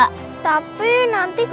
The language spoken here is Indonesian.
aku akan mengambilmu